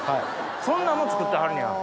そんなんも作ってはるねや。